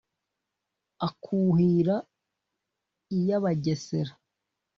akuhira iy' abagesera